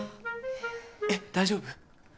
えっ大丈夫？